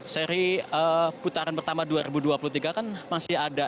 seri putaran pertama dua ribu dua puluh tiga kan masih ada